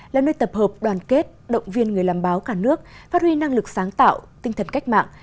là nơi tập hợp đoàn kết động viên người làm báo cả nước phát huy năng lực sáng tạo tinh thần cách mạng